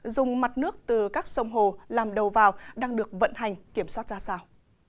dùng mặt nước từ các sông hồ làm đầu vào đang được vận hành kiểm soát ra sao